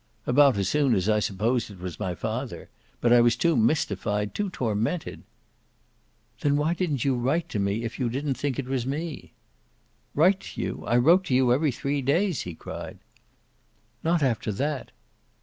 "About as soon as I supposed it was my father. But I was too mystified, too tormented." "Then why didn't you write to me, if you didn't think it was me?" "Write to you? I wrote to you every three days," he cried. "Not after that."